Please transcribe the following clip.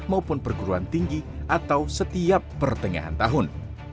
maupun perguruan tinggi atau setiap pertengahan tahun